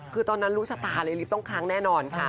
คือตอนนั้นรู้ชะตาเลยลิฟต์ต้องค้างแน่นอนค่ะ